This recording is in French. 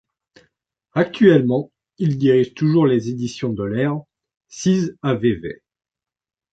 Actuellement, il dirige toujours les Editions de l'Aire, sises à Vevey.